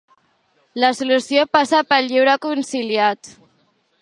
La solució passa pel lleure conciliat.